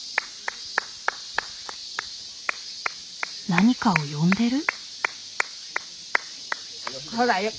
何かを呼んでる？